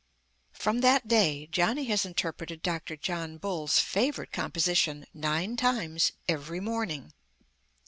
From that day Johnny has interpreted Dr. John Bull's favourite composition nine times every morning.